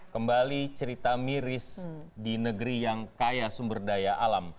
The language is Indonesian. kembali cerita miris di negeri yang kaya sumber daya alam